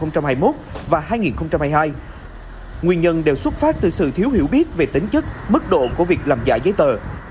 trong năm hai nghìn hai mươi một và hai nghìn hai mươi hai nguyên nhân đều xuất phát từ sự thiếu hiểu biết về tính chất mức độ của việc làm giả giấy tờ